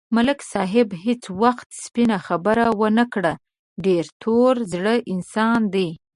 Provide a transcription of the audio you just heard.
ملک صاحب هېڅ وخت سپینه خبره و نه کړه، ډېر تور زړی انسان دی.